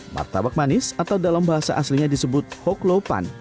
martabak manis atau dalam bahasa aslinya disebut hoklo pan